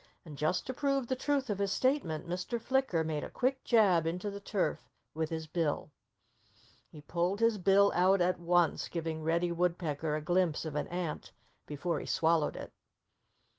And just to prove the truth of his statement Mr. Flicker made a quick jab into the turf with his bill. He pulled his bill out at once, giving Reddy Woodpecker a glimpse of an ant before he swallowed it.